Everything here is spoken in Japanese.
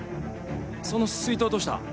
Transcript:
その水筒どうした？